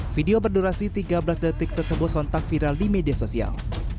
video berdurasi tiga belas detik tersebut sontak viral di media sosial